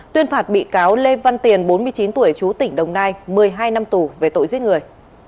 tuyên phạt bị cáo lê văn tiền bốn mươi chín tuổi chú tỉnh đồng nai một mươi hai năm tù về tội giết người